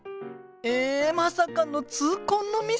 えまさかの痛恨のミス！